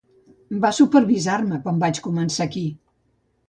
Va supervisar-me quan vaig començar aquí.